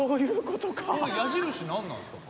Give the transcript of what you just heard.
この矢印何なんですか？